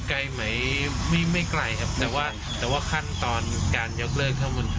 ไกลไหมไม่ไกลครับแต่ว่าขั้นตอนการยอกเลิก